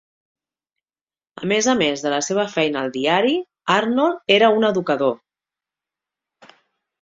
A més a més de la seva feina al diari, Arnold era un educador.